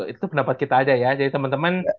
itu pendapat kita aja ya jadi temen temen